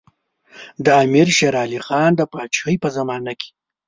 د امیر شېر علي خان د پاچاهۍ په زمانه کې.